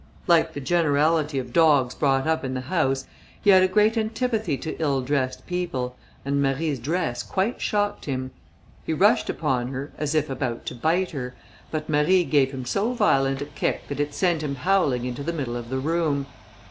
Like the generality of dogs brought up in the house, he had a great antipathy to ill dressed people, and Marie's dress quite shocked him. He rushed upon her as if about to bite her, but Marie gave him so violent a kick, that it sent him howling into the middle of the room.